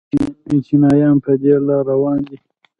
چینایان په دې لار روان دي.